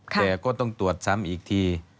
แต่ก็ต้องตรวจซ้ำอีกที